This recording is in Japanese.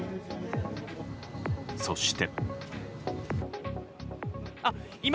そして。